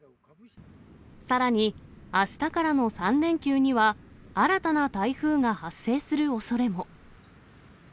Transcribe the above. さらに、あしたからの３連休には、新たな台風が発生するおそれも。